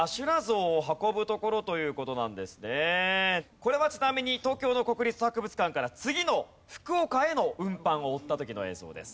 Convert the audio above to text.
これはちなみに東京の国立博物館から次の福岡への運搬を追った時の映像です。